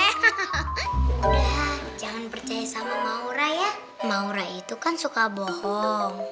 hahaha udah jangan percaya sama maura ya maura itu kan suka bohong